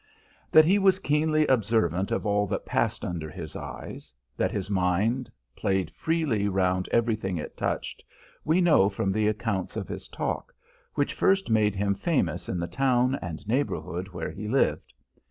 That he was keenly observant of all that passed under his eyes, that his mind played freely round everything it touched, we know from the accounts of his talk, which first made him famous in the town and neighbourhood where he lived.